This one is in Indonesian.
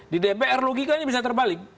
di dpr logikanya bisa terbalik